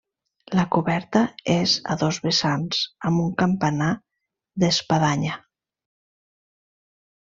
La coberta és a dos vessants amb un campanar d'espadanya.